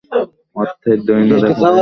অর্থের দৈন্য দেখা দেয়।